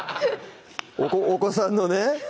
お子さんのね